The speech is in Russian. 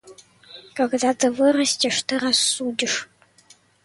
Когда ты вырастешь, ты рассудишь.